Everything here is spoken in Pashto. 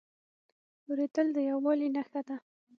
اورېدل د یووالي نښه ده.